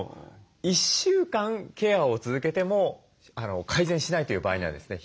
１週間ケアを続けても改善しないという場合にはですね